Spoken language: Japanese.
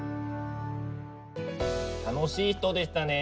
楽しい人でしたね。